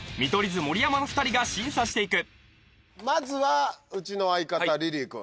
図・盛山の２人が審査していくまずはうちの相方リリー君